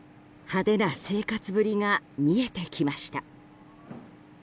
派手な生活ぶりが見えてきました。